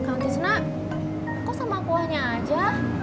kau kesana kok sama kuahnya aja